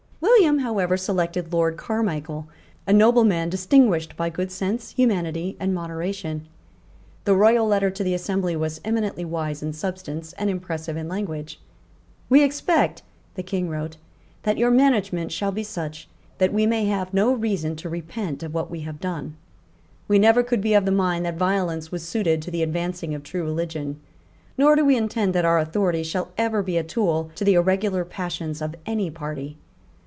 William, however, selected Lord Carmichael, a nobleman distinguished by good sense, humanity and moderation, The royal letter to the Assembly was eminently wise in substance and impressive in language. "We expect," the King wrote, "that your management shall be such that we may have no reason to repent of what we have done. We never could be of the mind that violence was suited to the advancing of true religion; nor do we intend that our authority shall ever be a tool to the irregular passions of any party.